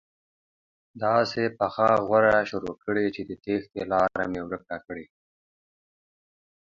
داسې پخه غوره شروع کړي چې د تېښتې لاره مې ورکه کړي.